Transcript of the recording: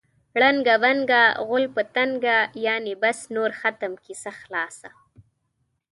ړنګه بنګه غول په تنګه. یعنې بس نور ختم، کیسه خلاصه.